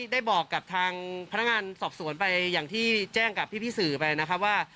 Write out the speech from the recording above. ได้บอกกับทางพนักงานสอบสวนไปอย่างที่แจ้งกับพี่สื่อไปนะครับว่า